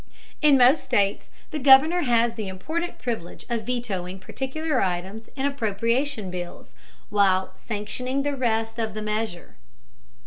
In most states the Governor has the important privilege of vetoing particular items in appropriation bills, while sanctioning the rest of the measure.